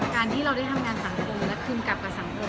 การที่เราได้ทำงานสังคมและภูมิกลับกับสังคม